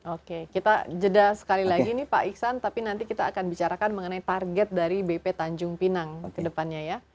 oke kita jeda sekali lagi nih pak iksan tapi nanti kita akan bicarakan mengenai target dari bp tanjung pinang ke depannya ya